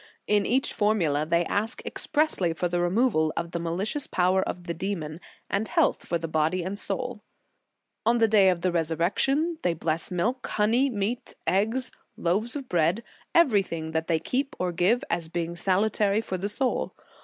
In each formula they ask expressly for the removal of the malicious power of the demon, and health for body and soul. " On the day of the Resurrection they bless milk, honey, meat, eggs, loaves of bread, everything that they keep or give, as being salutary for the soul.